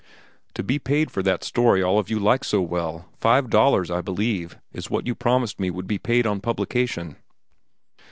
"To be paid for that story all of you like so well. Five dollars, I believe, is what you promised me would be paid on publication."